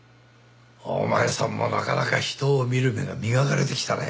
お前さんもなかなか人を見る目が磨かれてきたね。